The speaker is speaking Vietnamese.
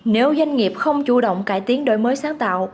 nếu doanh nghiệp không chủ động cải tiến đổi mới sáng tạo